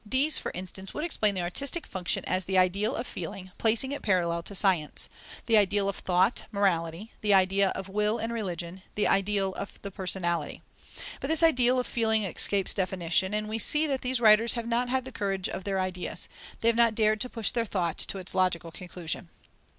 Diez, for instance, would explain the artistic function as the ideal of feeling, placing it parallel to science; the ideal of thought, morality; the ideal of will and religion, the ideal of the personality. But this ideal of feeling escapes definition, and we see that these writers have not had the courage of their ideas: they have not dared to push their thought to its logical conclusion.